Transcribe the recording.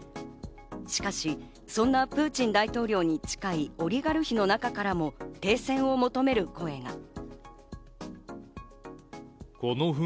しかしそんなプーチン大統領に近いオリガルヒの中からも停戦を求める声が。